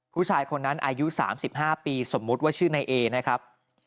ผู้ชายคนนั้นอายุ๓๕ปีสมมุติว่าชื่อนายเอนะครับ